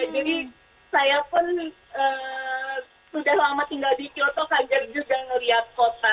jadi saya pun sudah lama tinggal di kyoto kaget juga melihat kota